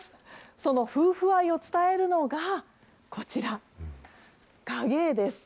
その夫婦愛を伝えるのが、こちら、影絵？